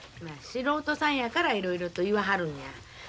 素人さんやからいろいろと言わはるんや。